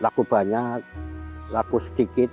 laku banyak laku sedikit